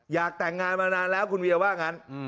อยากแต่งงานมานานแล้วคุณเวียว่างั้น